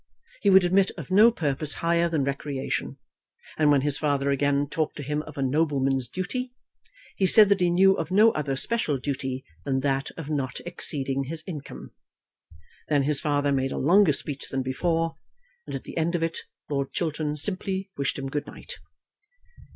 He would admit of no purpose higher than recreation, and when his father again talked to him of a nobleman's duty, he said that he knew of no other special duty than that of not exceeding his income. Then his father made a longer speech than before, and at the end of it Lord Chiltern simply wished him good night.